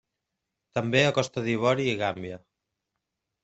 També a Costa d'Ivori i Gàmbia.